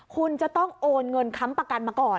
คุณจะต้องโอนเงินค้ำประกันมาก่อน